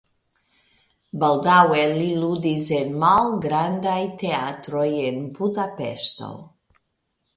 Baldaŭe li ludis en malgrandfaj teatroj en Budapeŝto.